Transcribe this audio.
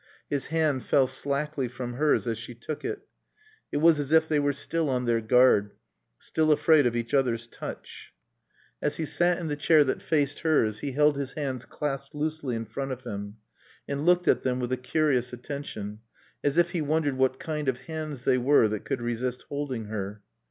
His hand fell slackly from hers as she took it. It was as if they were still on their guard, still afraid of each other's touch. As he sat in the chair that faced hers he held his hands clasped loosely in front of him, and looked at them with a curious attention, as if he wondered what kind of hands they were that could resist holding her.